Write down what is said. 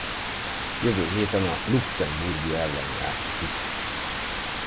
Jövő héten a luxemburgi ellen játszik.